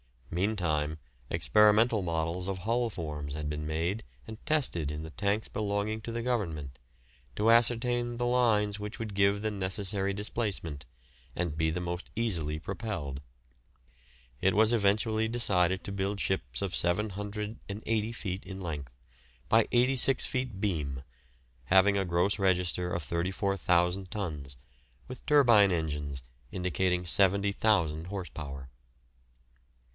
Meantime, experimental models of hull forms had been made and tested in the tanks belonging to the Government, to ascertain the lines which would give the necessary displacement, and be the most easily propelled. It was eventually decided to build ships of 780 feet in length by 86 feet beam, having a gross register of 34,000 tons, with turbine engines indicating 70,000 horse power.